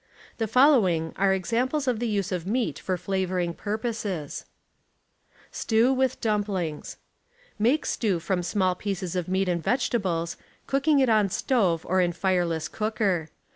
The following arc examples of the use of meat for flavoring 2)urposes : STEW WITH DL'.MPLINGwS Make stew from small pieces of meat and vegetables, cooking it on stove or in flreless cooker.